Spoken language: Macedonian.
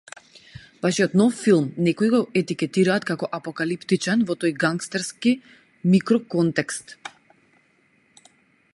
Вашиот нов филм некои го етикетираат како апокалиптичен во тој гангстерски микроконтекст.